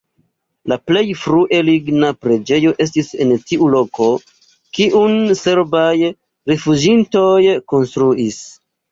La plej frue ligna preĝejo estis en tiu loko, kiun serbaj rifuĝintoj konstruis.